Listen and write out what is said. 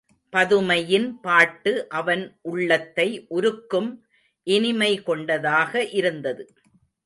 பதுமையின் பாட்டு அவன் உள்ளத்தை உருக்கும் இனிமை கொண்டதாக இருந்தது.